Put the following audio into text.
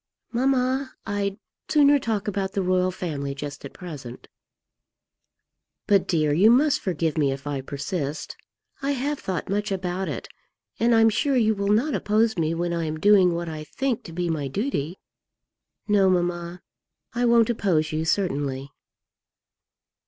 "Mamma, I'd sooner talk about the Royal Family just at present." "But, dear, you must forgive me if I persist. I have thought much about it, and I'm sure you will not oppose me when I am doing what I think to be my duty." "No, mamma; I won't oppose you, certainly."